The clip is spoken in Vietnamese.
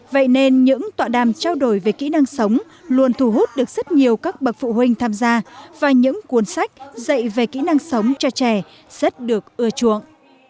vậy nên những tọa đàm trao đổi về kỹ năng sống luôn thu hút được rất nhiều các bậc phụ huynh tham gia và những cuốn sách dạy về kỹ năng sống cho trẻ rất được ưa chuộng